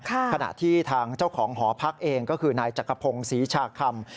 ขณะที่ทางเจ้าของหอพักเองก็คือนายจักรพงศ์ศรีชาคำ